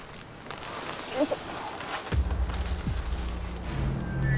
よいしょ。